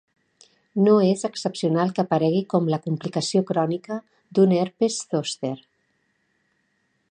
No és excepcional que aparegui com la complicació crònica d'un herpes zòster.